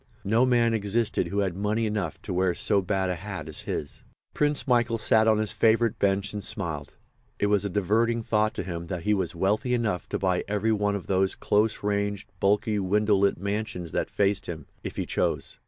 No man existed who had money enough to wear so bad a hat as his. Prince Michael sat on his favourite bench and smiled. It was a diverting thought to him that he was wealthy enough to buy every one of those close ranged, bulky, window lit mansions that faced him, if he chose.